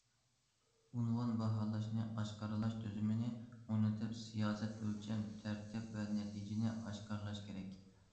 ئۇنۋان باھالاشنى ئاشكارىلاش تۈزۈمىنى ئورنىتىپ، سىياسەت، ئۆلچەم، تەرتىپ ۋە نەتىجىنى ئاشكارىلاش كېرەك.